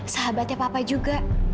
sahabatnya papa juga